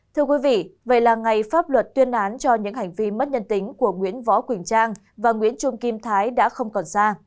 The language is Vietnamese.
thưa quý vị vậy là ngày pháp luật tuyên án cho những hành vi mất nhân tính của nguyễn võ quỳnh trang và nguyễn trung kim thái đã không còn xa